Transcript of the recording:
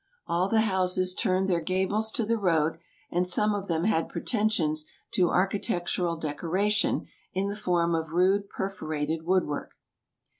All the houses turned their gables to the road, and some of them had pretensions to architectural decoration in the form of rude perforated woodwork.